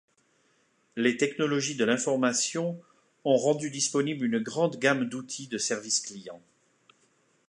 Les technologies de l'information ont rendu disponible une grande gamme d'outils de service client.